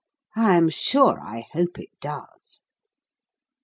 "I am sure I hope it does."